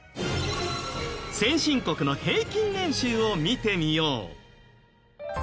先進国の平均年収を見てみよう。